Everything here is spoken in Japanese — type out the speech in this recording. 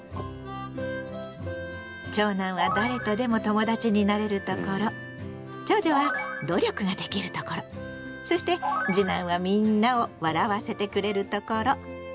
長男は誰とでも友達になれるところ長女は努力ができるところそして次男はみんなを笑わせてくれるところ。